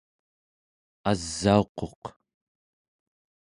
asauquq